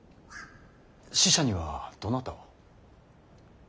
使者にはどなたを。